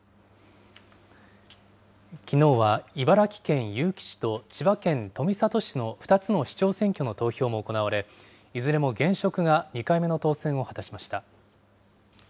きのうは茨城県結城市と千葉県富里市の２つの市長選挙の投票も行われ、いずれも現職が２回目の当選を果たしました。